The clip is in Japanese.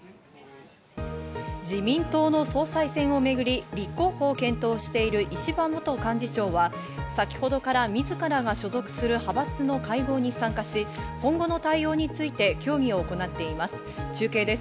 自民党の総裁選をめぐり、立候補を検討している石破元幹事長は先ほどから、自らが所属する派閥の会合に参加し、今後の対応について協議を行っています。